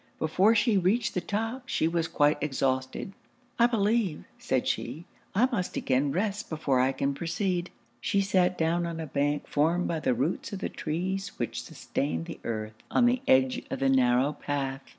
Before she reached the top, she was quite exhausted. 'I believe,' said she, 'I must again rest before I can proceed.' She sat down on a bank formed by the roots of the trees which sustained the earth, on the edge of the narrow path.